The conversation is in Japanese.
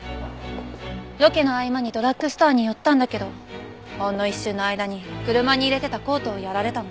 ロケの合間にドラッグストアに寄ったんだけどほんの一瞬の間に車に入れてたコートをやられたの。